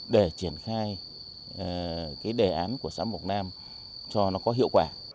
để triển khai cái đề án của xã mộc nam cho nó có hiệu quả